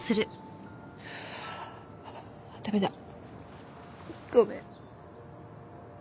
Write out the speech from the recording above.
ダメだごめん。